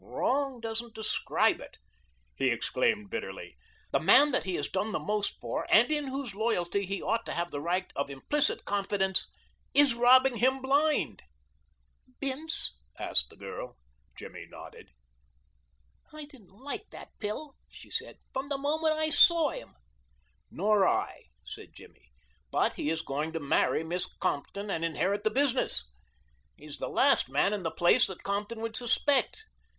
"Wrong doesn't describe it," he exclaimed bitterly. "The man that he has done the most for and in whose loyalty he ought to have the right of implicit confidence, is robbing him blind." "Bince?" asked the girl. Jimmy nodded. "I didn't like that pill," she said, "from the moment I saw him." "Nor I," said Jimmy, "but he is going to marry Miss Compton and inherit the business. He's the last man in the place that Compton would suspect.